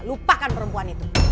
lupakan perempuan itu